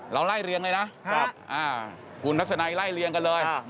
เราไล่เรียงเลยนะคุณพัฒนาไล่เรียงกันเลยครับ